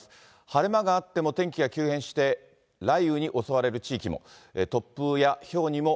晴れ間があっても天気が急変して、雷雨に襲われる地域も。